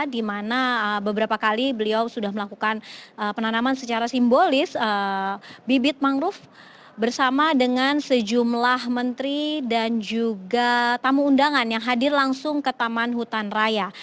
di mana beberapa kali beliau sudah melakukan penanaman secara simbolis bibit mangrove bersama dengan sejumlah menteri dan juga tamu undangan yang hadir langsung ke taman hutan raya